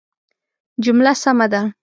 جمله سمه ده